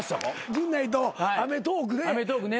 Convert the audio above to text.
陣内と『アメトーーク！』で。